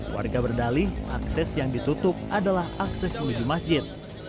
warga berdalih akses yang ditutup adalah akses menuju masjid